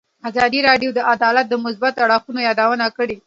ازادي راډیو د عدالت د مثبتو اړخونو یادونه کړې.